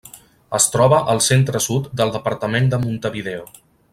Es troba al centre-sud del departament de Montevideo.